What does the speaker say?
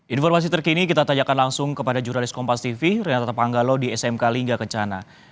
informasi terkini kita tanyakan langsung kepada jurnalis kompas tv renata panggalo di smk lingga kencana